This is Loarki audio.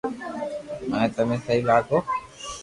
مني تمي سھي لاگو ھين